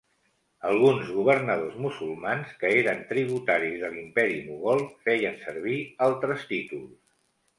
Alguns governadors musulmans que eren tributaris de l'imperi mogol, feien servir altres títols.